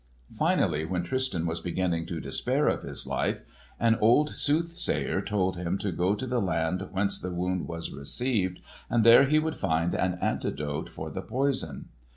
Finally, when Tristan was beginning to despair of his life, an old soothsayer told him to go to the land whence the wound was received and there he would find an antidote for the poison.